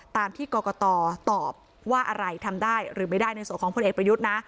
ตามที่กรกตตอบว่าอะไรทำได้หรือไม่ได้ในส่วนของพลเอกประยุทธ์นะ